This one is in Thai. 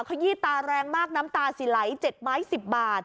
ขยี้ตาแรงมากน้ำตาสิไหล๗ไม้๑๐บาท